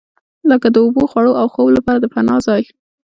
لکه د اوبو، خوړو او خوب لپاره د پناه ځای.